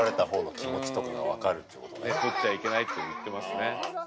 なるほどとっちゃいけないって言ってますね